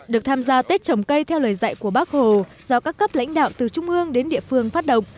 được tham gia tết trồng cây theo lời dạy của bác hồ do các cấp lãnh đạo từ trung ương đến địa phương phát động